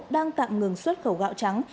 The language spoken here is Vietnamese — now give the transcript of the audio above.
đang tạm ngừng xuất khẩu gạo trắng